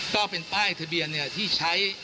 ก็เป็นป้ายทะเบียนที่ใช้